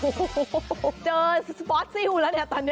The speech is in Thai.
โอ้โหเจอสปอสซิลแล้วเนี่ยตอนนี้